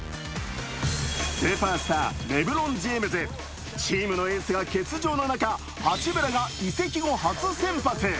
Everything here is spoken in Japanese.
スーパースター、レブロン・ジェームズ、チームのエースが欠場の中、八村が移籍後初先発。